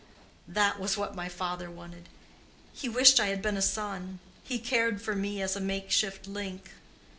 That was what my father wanted. He wished I had been a son; he cared for me as a make shift link.